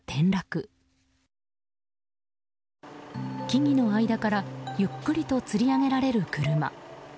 木々の間からゆっくりとつり上げられる車。